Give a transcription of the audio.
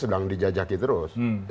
sedang dijajaki terus